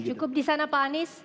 cukup di sana pak anies